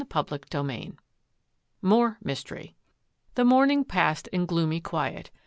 CHAPTER VIII MORE MYSTERY The morning passed in gloomy quiet.